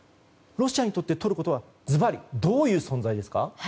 ロシアにとってトルコとはズバリどういう存在ですか？